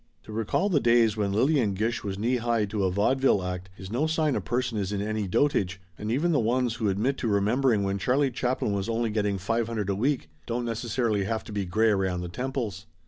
To recall the days when Lillian Gish was knee high to a vaudeville act is no sign a per son is in any dotage, and even the ones who admit to remembering when Charlie Chaplin was only getting five hundred a week don't necessarily have to be gray around the temples.